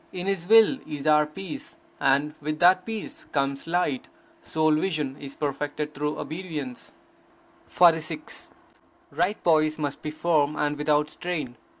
In His will is our peace. And with that peace comes light. Soul vision is perfected through obedience. 46. Right poise must be firm and without strain.